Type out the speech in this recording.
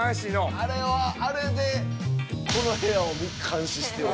◆あれはあれで、この部屋を監視しておる。